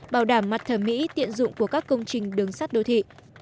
bảo đảm mặt thẩm mỹ tiện dụng của các công trình đường sắt đô thị